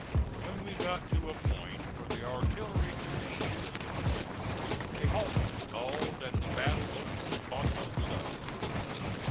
When we got to a point where the artillery could be used with effect, a halt was called, and the battle opened on both sides.